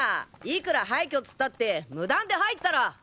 いくら廃墟っつったって無断で入ったら。